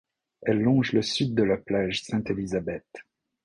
Elle longe le sud de la place Sainte-Elisabeth.